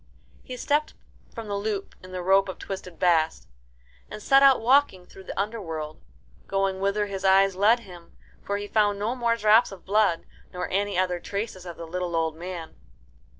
He stepped from the loop in the rope of twisted bast, and set out walking through the underworld, going whither his eyes led him, for he found no more drops of blood, nor any other traces of the little old man.